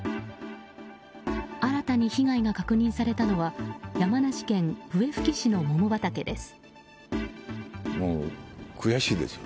新たに被害が確認されたのは山梨県笛吹市の桃畑です。